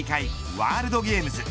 ワールドゲームズ。